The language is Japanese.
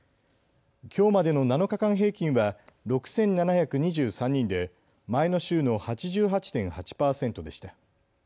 きょうまでの７日間平均は６７２３人で前の週の８８．８％でした。